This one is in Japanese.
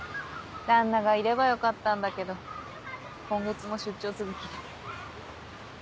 旦那がいればよかったんだけど今月も出張続きで。